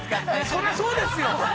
◆それはそうですよ。